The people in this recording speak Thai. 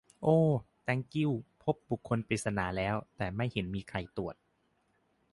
โอ แต้งกิ้ว พบบุคคลปริศนาแล้ว แต่ไม่เห็นมีใครตรวจ